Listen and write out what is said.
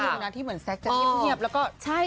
ช่วงหนึ่งนะที่เหมือนแซ็คจะเงียบแล้วก็